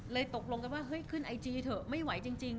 ตกลงกันว่าเฮ้ยขึ้นไอจีเถอะไม่ไหวจริง